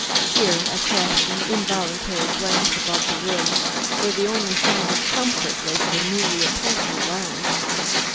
Here I cast an involuntary glance about the room where the only sign of comfort was the newly upholstered lounge.